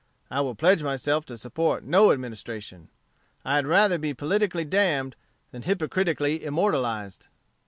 I will pledge myself to support no Administration. I had rather be politically damned than hypocritically immortalized.'"